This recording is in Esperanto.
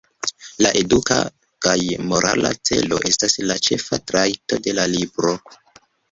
La eduka kaj morala celo estas la ĉefa trajto de la libro.